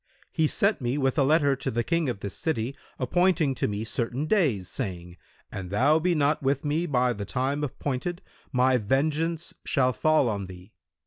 He sent me with a letter to the King of this city appointing to me certain days, saying, 'An thou be not with me by the time appointed, my vengeance shall fall on thee.'